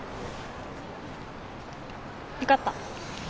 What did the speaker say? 受かった。